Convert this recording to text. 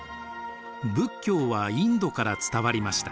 仏教はインドから伝わりました。